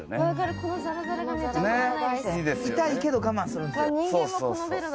痛いけど我慢するんですよ。